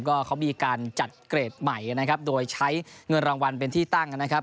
ก็เขามีการจัดเกรดใหม่นะครับโดยใช้เงินรางวัลเป็นที่ตั้งนะครับ